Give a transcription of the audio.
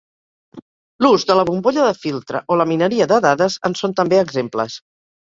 L'ús de la bombolla de filtre o la mineria de dades en són també exemples.